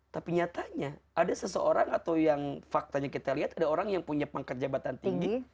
tapi nyatanya ada seseorang atau yang faktanya kita lihat ada orang yang punya pangkat jabatan tinggi